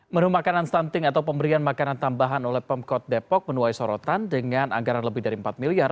menu makanan stunting atau pemberian makanan tambahan oleh pemkot depok menuai sorotan dengan anggaran lebih dari empat miliar